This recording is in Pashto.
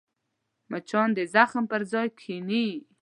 مچان د زخم پر ځای کښېني